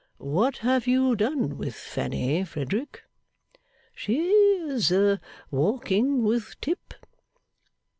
What have you done with Fanny, Frederick?' 'She is walking with Tip.